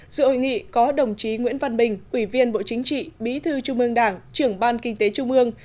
sự hội nghị có đồng chí nguyễn văn bình ủy viên bộ chính trị bí thư trung ương đảng trưởng ban kinh tế trung ương